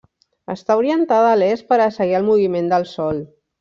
Està orientada a l'est per a seguir el moviment del sol.